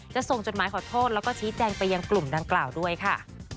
ส่งจดหมายขอโทษแล้วก็ชี้แจงไปยังกลุ่มดังกล่าวด้วยค่ะ